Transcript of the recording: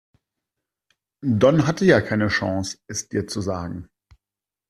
Don hatte ja keine Chance, es dir zu sagen.